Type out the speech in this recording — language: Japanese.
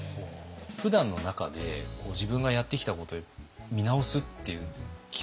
ふだんの中で自分がやってきたこと見直すっていう機会って結構ありますか？